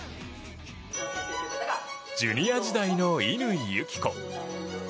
ジュニア時代の乾友紀子。